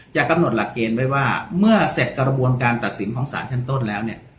กำหนดหลักเกณฑ์ไว้ว่าเมื่อเสร็จกระบวนการตัดสินของสารชั้นต้นแล้วเนี่ย